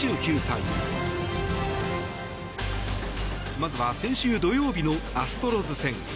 まずは先週土曜日のアストロズ戦。